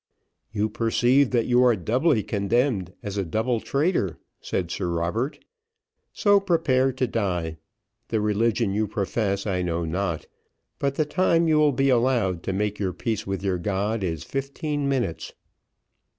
"You perceive that you are doubly condemned as a double traitor," said Sir Robert. "So prepare to die; the religion you profess I know not, but the time you will be allowed to make your peace with your God is fifteen minutes."